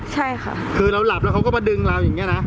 ใช่ค่ะคือเราหลับแล้วเขาก็มาดึงเราอย่างนี้นะ